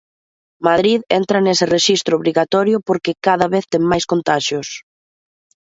Madrid entra nese rexistro obrigatorio porque cada vez ten máis contaxios.